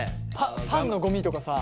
パンのゴミとかさ。